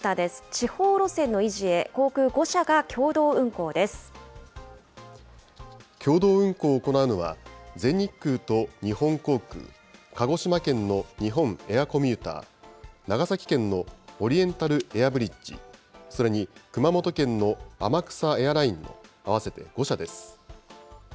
地方路線の維持へ、航空５社が共共同運航を行うのは、全日空と日本航空、鹿児島県の日本エアコミューター、長崎県のオリエンタルエアブリッジ、それに熊本県の天草エアラインの合わせて５社です。